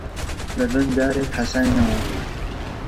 لەبن دارێک حەساینەوە